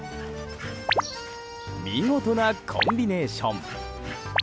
見事なコンビネーション！